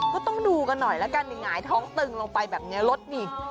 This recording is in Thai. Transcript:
ก็ต้องดูกันหน่อยแล้วกันหงายท้องตึงลงไปแบบนี้รถนี่